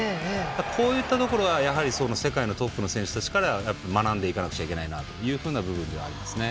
こういったところが世界のトップの選手たちから学んでいかなくちゃいけないなという部分ではありますね。